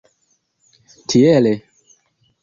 tiele